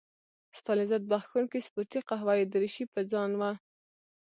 ستا لذت بخښونکې سپورتي قهوه يي دريشي په ځان وه.